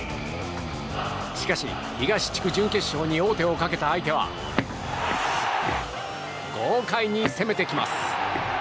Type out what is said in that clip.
しかし、東地区準決勝に王手をかけた相手は豪快に攻めてきます。